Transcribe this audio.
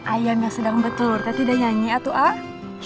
ayam yang sedang bertelur tapi tidak nyanyi atau apa